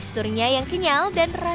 teksturnya yang kenyal dan rasanya